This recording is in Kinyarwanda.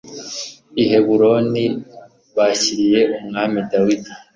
i Heburoni bashyiriye umwami Dawidi